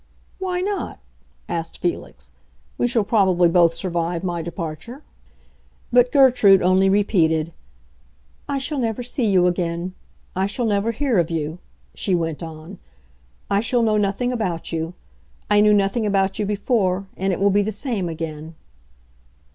"Why not?" asked Felix. "We shall probably both survive my departure." But Gertrude only repeated, "I shall never see you again. I shall never hear of you," she went on. "I shall know nothing about you. I knew nothing about you before, and it will be the same again."